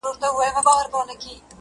توپکه مه دي سر سه، مه دي کونه.